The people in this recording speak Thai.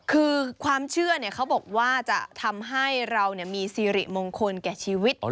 คือความเชื่อเขาบอกว่าจะทำให้เรามีสิริมงคลแก่ชีวิต